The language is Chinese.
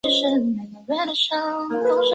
将白果市乡并入凤凰乡。